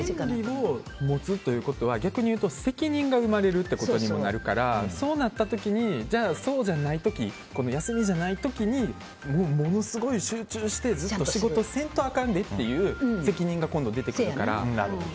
権利を持つということは逆にいうと責任が生まれるってことにもなるからそうじゃない時休みじゃない時にものすごい集中してずっと仕事をせんとあかんでっていう責任が今度出てくるから。